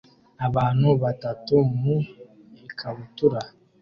Abantu batatu mu ikabutura